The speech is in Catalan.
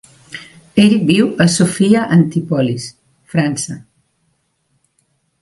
Ell viu a Sophia Antipolis, França.